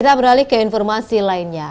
kita beralih ke informasi lainnya